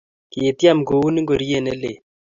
Kitiem koun ngoriet ne lel